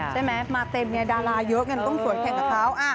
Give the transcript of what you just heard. ใช่ไหมมาเต็มเนี่ยดาราเยอะไงต้องสวยแข่งกับเขา